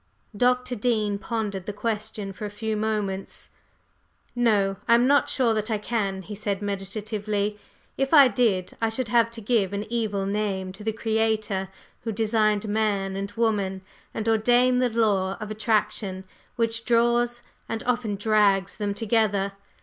Dr. Dean pondered the question for a few moments. "No, I am not sure that I can," he said, meditatively. "If I did, I should have to give an evil name to the Creator who designed man and woman and ordained the law of attraction which draws, and often drags them together.